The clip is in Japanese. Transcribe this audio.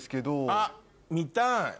あっ見たい。